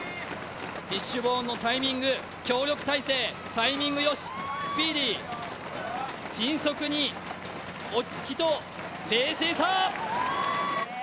フィッシュボーンのタイミング、協力体制、タイミングよし、スピーディー迅速に落ち着きと冷静さ。